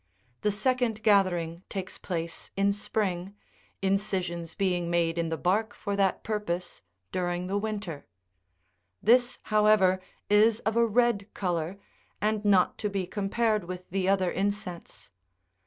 The second gathering takes place in spring, incisions being made in the bark for that purpose during the winter : this, however, is of a red colour, and not to be compared with the other incense.